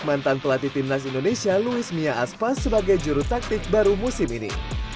mantan pelatih timnas indonesia luis mia aspas sebagai juru taktik baru musim ini